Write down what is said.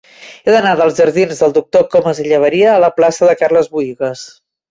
He d'anar dels jardins del Doctor Comas i Llaberia a la plaça de Carles Buïgas.